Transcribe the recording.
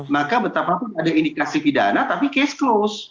maka betapa pun ada indikasi pidana tapi case closed